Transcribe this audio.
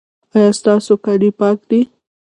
ایا ستاسو کالي پاک دي؟